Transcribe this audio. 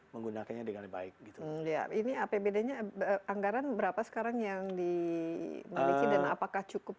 menggunakannya dengan baik gitu ya ini apbd nya anggaran berapa sekarang yang dimiliki dan apakah cukup